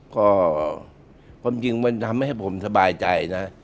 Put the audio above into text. ก็ความจริงมันทำให้ผมสบายใจนะ